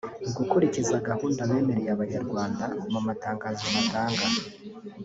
gukurikiza gahunda bemereye abanyarwanda mu matangazo batanga